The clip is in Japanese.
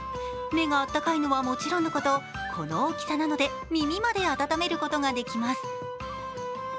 目があったかいのはもちろんのことこの大きさなので耳まで温めることができます。